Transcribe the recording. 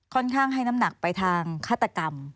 ค่อนข้างให้น้ำหนักไปทางฆาตกรรม